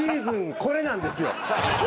これなんですよ。